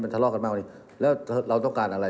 ทะเลาะกันมากกว่านี้แล้วเราต้องการอะไร